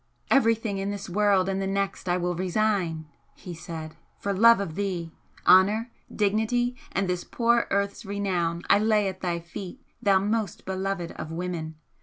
"Everything in this world and the next I will resign," he said "for love of thee! Honour, dignity and this poor earth's renown I lay at thy feet, thou most beloved of women!